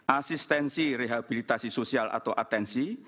asistensi rehabilitasi sosial atau atensi